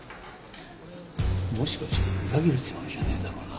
もしかして裏切るつもりじゃねえだろうな？